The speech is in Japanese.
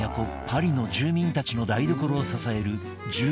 パリの住民たちの台所を支える重要な市場